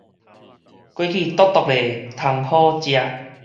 雞去剁剁咧通好食